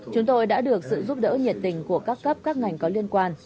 chúng tôi đã được sự giúp đỡ nhiệt tình của các cấp các ngành có liên quan